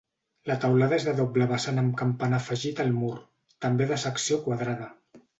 La teulada és de doble vessant amb campanar afegit al mur, també de secció quadrada.